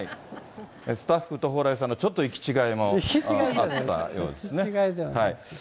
スタッフと蓬莱さんのちょっと行き違いもあったようですね。